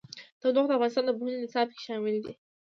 تودوخه د افغانستان د پوهنې نصاب کې شامل دي.